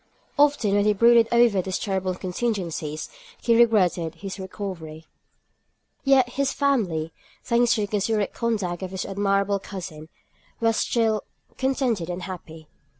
Often when he brooded over these terrible contingencies, he regretted his recovery. Yet his family, thanks to the considerate conduct of his admirable cousin, were still contented and happy.